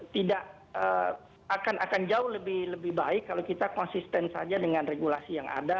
tidak akan jauh lebih baik kalau kita konsisten saja dengan regulasi yang ada